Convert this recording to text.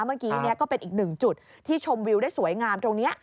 เมื่อกี้ก็เป็นอีกหนึ่งจุดที่ชมวิวได้สวยงามตรงนี้